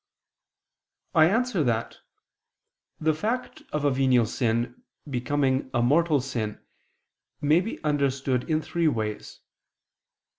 I answer that, The fact of a venial sin becoming a mortal sin may be understood in three ways.